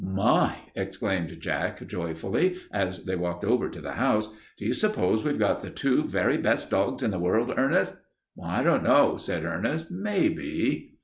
"My!" exclaimed Jack, joyfully, as they walked over to the house, "do you s'pose we've got the two very best dogs in the world, Ernest?" "I don't know," said Ernest. "Maybe."